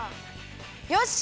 よし！